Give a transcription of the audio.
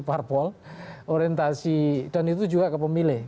parpol orientasi dan itu juga ke pemilih